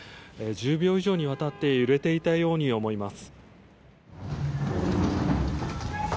１０秒以上にわたって揺れていたように思えます。